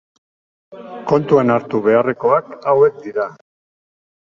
Kontuan hartu beharrekoak hauek dira.